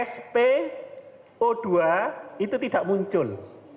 spo dua itu tidak muncul